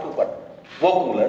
đối với bọn nguyễn quân